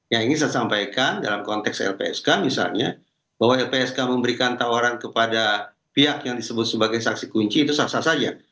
yang ingin saya sampaikan dalam konteks lpsk misalnya bahwa lpsk memberikan tawaran kepada pihak yang disebut sebagai saksi kunci itu sah sah saja